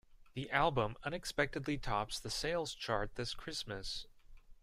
The album unexpectedly tops the sales chart this Christmas.